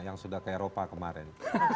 yang sudah ke eropa kemarin